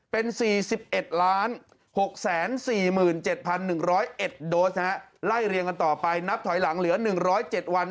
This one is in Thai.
เป็น๔๑๖๔๗๑๐๑โดสไล่เรียงกันต่อไปนับถอยหลังเหลือ๑๐๗วัน